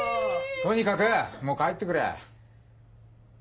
とにかくもう帰ってくれ。